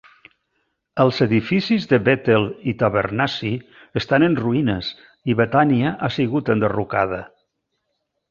Els edificis de Bètel i Tabernacl estan en ruïnes i Betània ha sigut enderrocada.